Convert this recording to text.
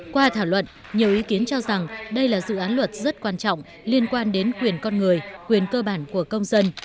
qua thảo luận nhiều ý kiến cho rằng đây là dự án luật rất quan trọng liên quan đến quyền con người quyền cơ bản của công dân